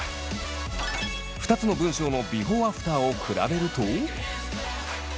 ２つの文章のビフォーアフターを比べると。